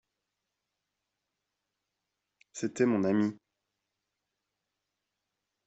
C'était mon ami.